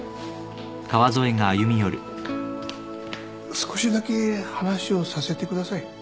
少しだけ話をさせてください。